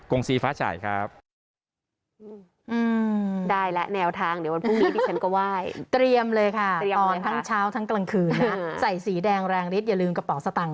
งสีฟ้าฉายครับ